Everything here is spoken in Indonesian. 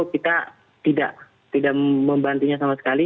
kita tidak tidak membantinya sama sekali